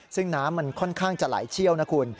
ซึ่งน้ำมันค่อนข้างจะไหลเชี่ยวนะคุณ